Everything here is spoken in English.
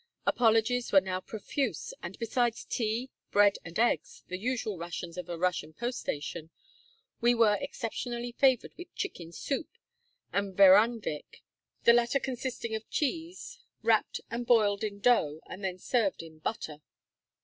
Apologies were now profuse, and besides tea, bread, and eggs, the usual rations of a Russian post station, we were exceptionally favored with chicken soup and verainyik, the latter consisting of cheese wrapped and boiled in dough, and then served in butter.